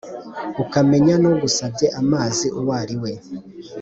ukamenya n’ugusabye amazi uwo ari we